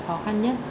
và không làm gì nữa